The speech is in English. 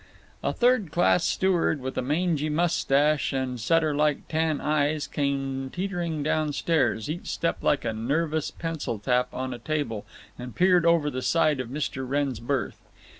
A third class steward with a mangy mustache and setter like tan eyes came teetering down stairs, each step like a nervous pencil tap on a table, and peered over the side of Mr. Wrenn's berth.